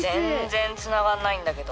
全然つながんないんだけど。